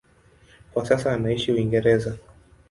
Kwa sasa anaishi Uingereza.